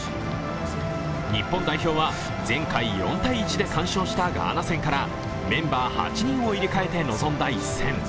日本代表は前回４−１で完勝したガーナ戦からメンバー８人を入れ替えて臨んだ一戦。